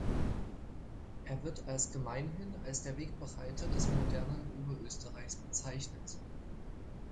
Er wird als gemeinhin als der Wegbereiter des modernen Oberösterreichs bezeichnet.